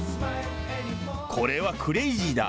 これはクレージーだ。